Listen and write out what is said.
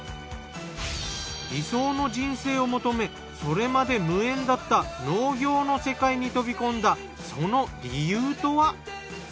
理想の人生を求めそれまで無縁だった農業の世界に飛び込んだその理由とは？